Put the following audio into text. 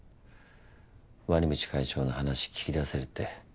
鰐淵会長の話聞き出せるって。